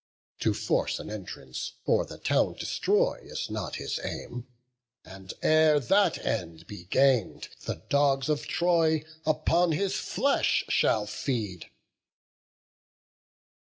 To force an entrance, or the town destroy, Is not his aim; and ere that end be gain'd, The dogs of Troy upon his flesh shall feed."